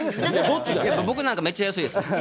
僕なんか、めっちゃ安いです。